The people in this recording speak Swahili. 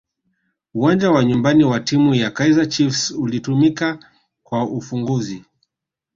uwanja wa nyumbani wa timu ya kaizer chiefs ulitumika kwa ufunguzi